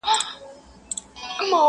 توري شپې سوې سپیني ورځي ښار سینګار سو!